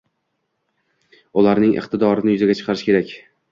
Ularning iqtidorini yuzaga chiqarish kerak.